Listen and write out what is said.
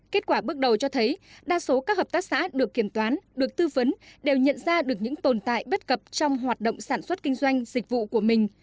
kết quả bước đầu cho thấy đa số các hợp tác xã được kiểm toán được tư vấn đều nhận ra được những tồn tại bất cập trong hoạt động sản xuất kinh doanh dịch vụ của mình